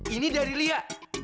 ini dari lia